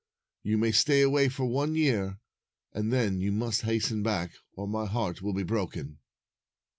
You may stay away for one year, and then you must hasten back, or my heart will be broken."